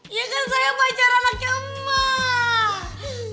iya kan saya pacaran laki emak